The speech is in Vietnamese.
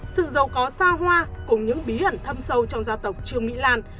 từng dầu có sao hoa cùng những bí ẩn thâm sâu trong gia tộc trương mỹ lan